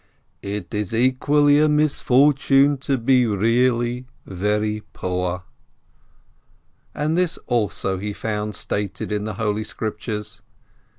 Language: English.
"It is equally a misfortune to be really very poor." And this also he found stated in the Holy Scriptures.